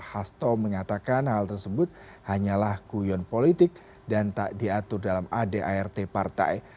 hasto mengatakan hal tersebut hanyalah kuyon politik dan tak diatur dalam adart partai